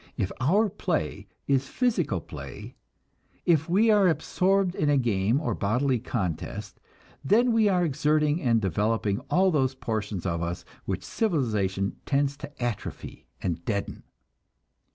If our play is physical play, if we are absorbed in a game or bodily contest, then we are exerting and developing all those portions of us which civilization tends to atrophy and deaden.